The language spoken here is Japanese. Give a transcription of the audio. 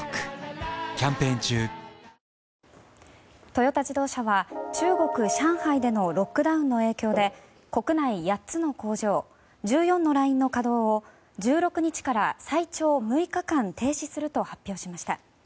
トヨタ自動車は中国・上海でのロックダウンの影響で国内８つの工場１４のラインの稼働を１６日から最長６日間停止すると発表しました。